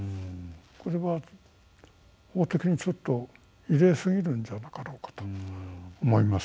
これは、法的にちょっと異例すぎるんじゃなかろうかと思います。